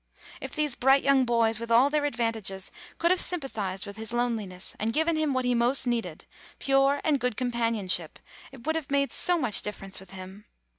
If these bright young boys with all their advantages could have sympa thized with his loneliness, and given him what he most needed — pure and good companion ship — it would have made so much difference with him